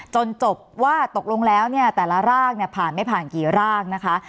จนจบว่าตกลงแล้วเนี่ยแต่ละรากเนี่ยผ่านไม่ผ่านกี่รากนะคะ